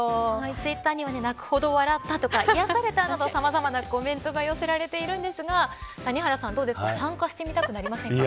ツイッターには泣くほど笑ったとか癒されたなどさまざまなコメントが寄せられているんですが谷原さん、どうですか参加してみたくなりませんか。